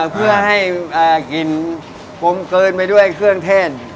เพื่อให้กลิ่นกลมเกินไปด้วยเครื่องเทศ